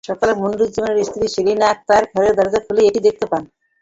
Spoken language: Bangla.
সকালে মনিনুজ্জামানের স্ত্রী সেলিনা আক্তার ঘরের দরজা খুলেই এটি দেখতে পান।